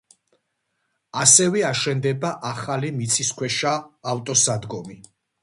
ასევე, აშენდება ახალი მიწისქვეშა ავტოსადგომი.